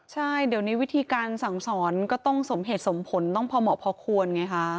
ใช่เดี๋ยวนี้วิธีการสั่งสอนก็ต้องสมเหตุสมผลต้องพอเหมาะพอควรไงคะ